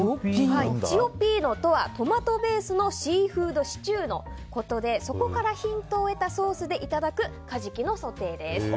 チオピーノとはトマトベースのシーフードシチューのことでそこからヒントを得たソースでいただくカジキのソテーです。